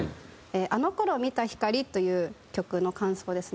『あのころ見た光』という曲の間奏ですね。